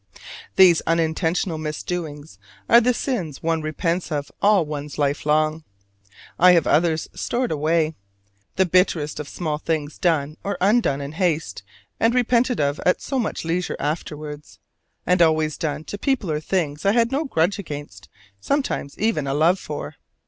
These unintentional misdoings are the "sins" one repents of all one's life long: I have others stored away, the bitterest of small things done or undone in haste and repented of at so much leisure afterwards. And always done to people or things I had no grudge against, sometimes even a love for.